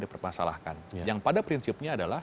dipermasalahkan yang pada prinsipnya adalah